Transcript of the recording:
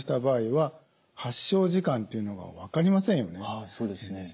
はいそうですね。